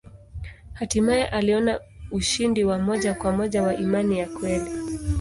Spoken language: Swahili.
Hatimaye aliona ushindi wa moja kwa moja wa imani ya kweli.